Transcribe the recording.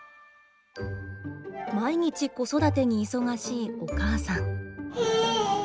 毎日子育てに忙しいお母さん。